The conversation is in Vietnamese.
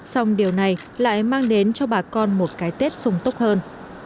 xong điều này lại mang đến cho bà con một cái tết sùng tốc hơn